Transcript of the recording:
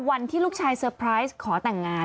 วันที่ลูกชายเซอร์ไพรส์ขอแต่งงาน